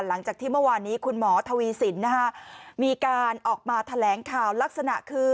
หลังจากที่เมื่อวานนี้คุณหมอทวีสินนะฮะมีการออกมาแถลงข่าวลักษณะคือ